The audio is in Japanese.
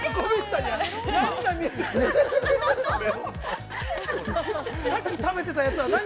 さっき食べていたやつは何？